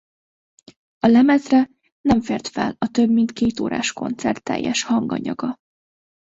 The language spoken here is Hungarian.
A lemezre nem fért fel a több mint két órás koncert teljes hanganyaga.